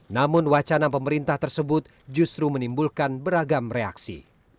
namun wacana pemerintah tersebut justru menimbulkan beragam reaksi